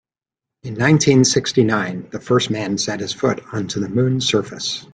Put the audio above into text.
In nineteen-sixty-nine the first man set his foot onto the moon's surface.